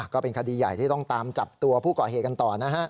ก็เป็นคดีใหญ่ที่ต้องตามจับตัวผู้ก่อเหตุกันต่อนะฮะ